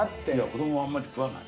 子供はあんまり食わない。